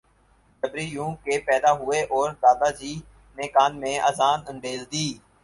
جبری یوں کہ پیدا ہوئے اور دادا جی نے کان میں اذان انڈیل دی